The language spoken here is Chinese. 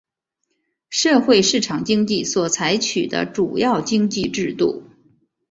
社会市场经济所采取的主要经济制度。